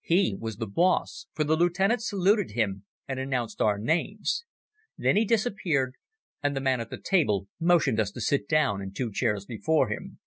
He was the boss, for the lieutenant saluted him and announced our names. Then he disappeared, and the man at the table motioned us to sit down in two chairs before him.